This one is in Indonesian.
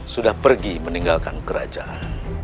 sudah pergi meninggalkan kerajaan